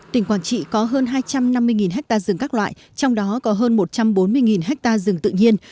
tỉnh quảng trị có hơn hai trăm năm mươi ha rừng các loại trong đó có hơn một trăm bốn mươi ha rừng tự nhiên